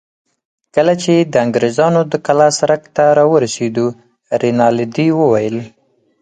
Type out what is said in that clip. کله چې د انګرېزانو د کلا سړک ته راورسېدو، رینالډي وویل.